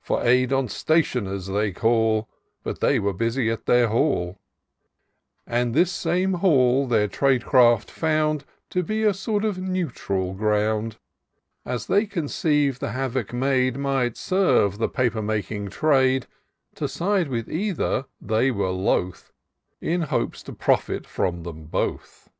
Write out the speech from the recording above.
For aid on Stationers they call, But they were busy at their Hall ; And this same Hall their trade craft found To be a sort of neutral ground; As they conceiv'd the havoc made Might serve the paper making trade : To side with either they were loth, In hopes to profit from them both.